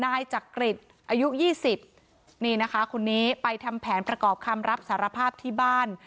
นายจักริตอายุ๒๐นี่นะคะคนนี้ไปทำแผนประกอบคำรับสารภาพที่บ้าน